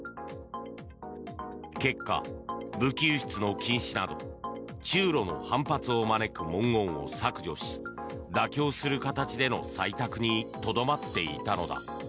結果、武器輸出の禁止など中ロの反発を招く文言を削除し妥協する形での採択にとどまっていたのだ。